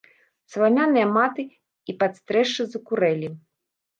Саламяныя маты і падстрэшшы закурэлі.